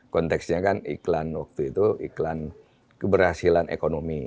konteksnya kan iklan waktu itu iklan keberhasilan ekonomi